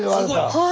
はい。